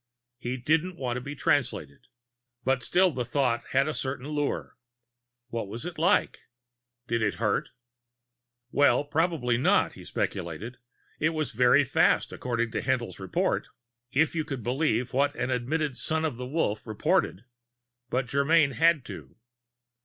He didn't want to be Translated. But still the thought had a certain lure. What was it like? Did it hurt? Well, probably not, he speculated. It was very fast, according to Haendl's report if you could believe what an admitted Son of the Wolf reported. But Germyn had to.